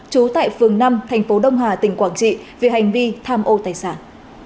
trú tại phường năm thành phố đông hà tỉnh quảng trị về hành vi tham ô tài sản